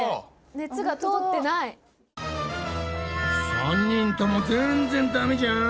３人ともぜんぜんダメじゃん！